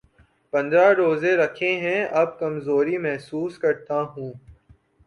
پندرہ روزے رکھے ہیں‘ اب کمزوری محسوس کر تا ہوں۔